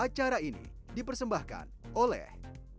acara ini dipersembahkan oleh